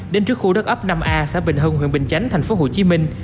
đến trước khu đất ấp năm a xã bình hưng huyện bình chánh thành phố hồ chí minh